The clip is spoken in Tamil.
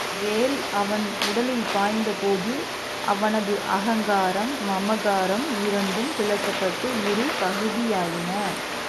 வேல் அவன் உடலில் பாய்ந்த போது அவனது அகங்காரம், மமகாரம் இரண்டும் பிளக்கப்பட்டு இரு பகுதியாயின.